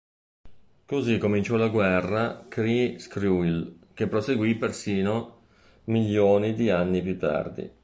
Così cominciò la guerra Kree-Skrull che proseguì persino milioni di anni più tardi.